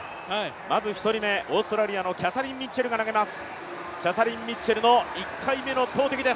まず１人目、オーストラリアのキャサリン・ミッチェルが投げます。